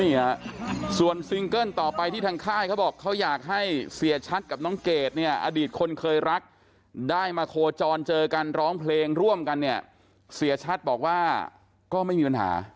นี่ฮะส่วนซิงเกิ้ลต่อไปที่ทางค่ายเขาบอกเขาอยากให้เสียชัดกับน้องเกดเนี่ยอดีตคนเคยรักได้มาโคจรเจอกันร้องเพลงร่วมกันเนี่ยเสียชัดบอกว่าก็ไม่มีปัญหา